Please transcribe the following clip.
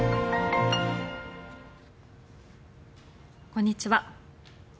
こんにちは。